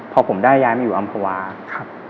พอผมได้ย้ายมาอยู่อำภาวะ